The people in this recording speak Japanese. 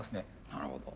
なるほど。